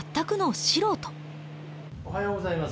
おはようございます。